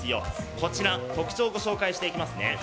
こちら特徴をご紹介していきますね。